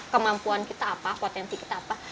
kemampuan kita apa potensi kita apa